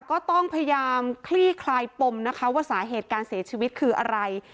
ก็ต้องพยายามคลี่คลายปมนะคะว่าสาเหตุการเสียชีวิตคืออะไร